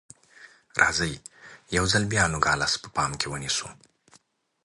راځئ یو ځل بیا نوګالس په پام کې ونیسو.